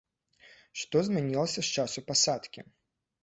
Што змянілася з часу пасадкі?